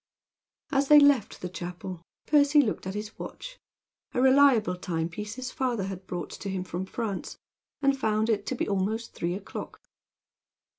As they left the chapel Percy looked at his watch, a reliable time piece his father had brought to him from France, and found it to be almost three o'clock.